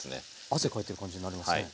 汗かいてる感じになりますね。